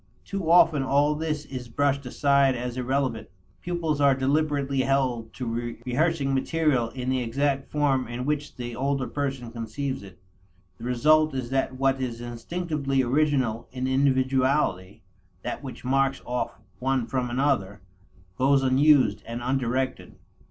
Too often all this is brushed aside as irrelevant; pupils are deliberately held to rehearsing material in the exact form in which the older person conceives it. The result is that what is instinctively original in individuality, that which marks off one from another, goes unused and undirected.